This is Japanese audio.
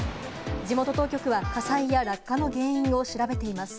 地元当局は火災や落下の原因を調べています。